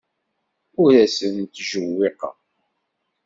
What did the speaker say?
Ur asen-ttjewwiqeɣ.